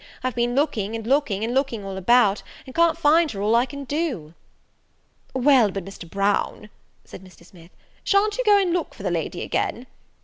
I've been looking, and looking, and looking all about, and can't find her all I can do." "Well, but, Mr. Brown," said Mr. Smith, "sha'n't you go and look for the lady again?"